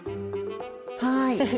はい。